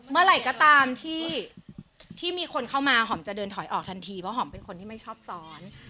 เมื่อไหร่ก็ตามที่มีคนเข้ามาหอมจะเดินถอยออกทันทีเพราะหอมเป็นคนที่ไม่ชอบซ้อน